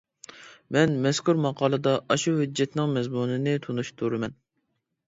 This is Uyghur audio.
مەن مەزكۇر ماقالىدا ئاشۇ ھۆججەتنىڭ مەزمۇنىنى تونۇشتۇرىمەن.